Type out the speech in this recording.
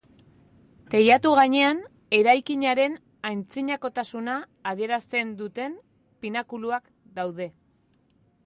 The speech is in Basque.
Teilatu gainean eraikinaren antzinakotasuna adierazten duten pinakuluak daude.